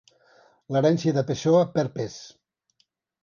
L'herència de Pessoa perd pes.